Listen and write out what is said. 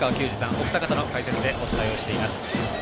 お二方の解説でお伝えしています。